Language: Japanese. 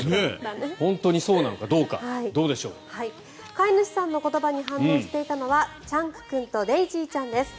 飼い主さんの言葉に反応していたのはチャンク君とデイジーちゃんです。